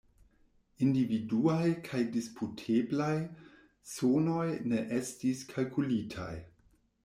Individuaj kaj disputeblaj sonoj ne estis kalkulitaj.